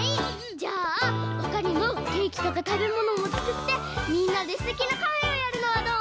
じゃあほかにもケーキとかたべものもつくってみんなですてきなカフェをやるのはどう？